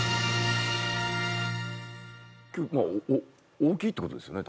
大きいってことですよね？